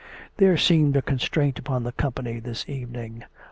There seemed a constraint upon the company this even ing.